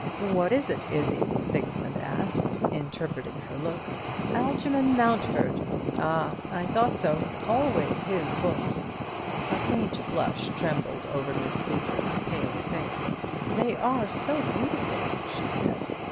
"What is it, Izzie?" Sigismund asked, interpreting her look. "Algerman Mountfort." "Ah, I thought so. Always his books." A faint blush trembled over Miss Sleaford's pale face. "They are so beautiful!" she said.